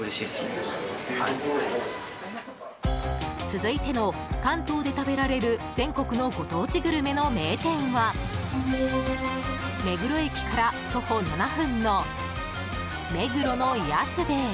続いての関東で食べられる全国のご当地グルメの名店は目黒駅から徒歩７分のめぐろの安兵衛。